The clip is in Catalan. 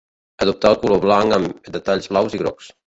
Adoptà el color blanc amb detalls blaus i grocs.